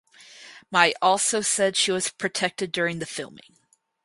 My also said she was protected during the filming.